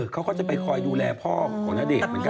เขาก็จะไปคอยดูแลพ่อของณเดชน์เหมือนกัน